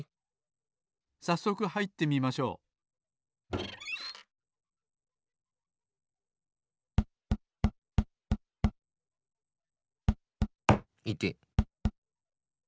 さっそくはいってみましょういてっ！